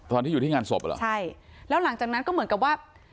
ตอนที่อยู่ที่งานศพเหรอใช่แล้วหลังจากนั้นก็เหมือนกับว่า